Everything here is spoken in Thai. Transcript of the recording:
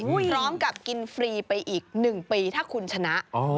พร้อมกับกินฟรีไปอีก๑ปีถ้าคุณชนะ